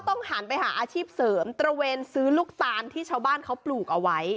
หันไปหาอาชีพเสริมตระเวนซื้อลูกตาลที่ชาวบ้านเขาปลูกเอาไว้